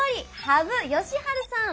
羽生善治さん。